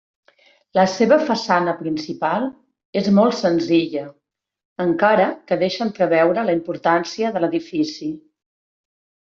La seva façana principal és molt senzilla, encara que deixa entreveure la importància de l'edifici.